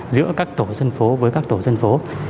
giữa các tổ dân phố với các tổ dân phố